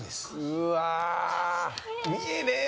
うわー見えねえ